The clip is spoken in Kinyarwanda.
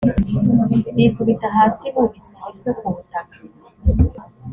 bikubita hasi bubitse umutwe ku butaka.